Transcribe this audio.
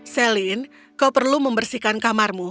celine kau perlu membersihkan kamarmu